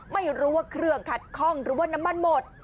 ไม่รู้ว่าเครื่องขัดคล่องหรือว่าน้ำมันหมด